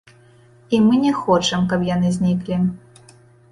І мы не хочам, каб яны зніклі.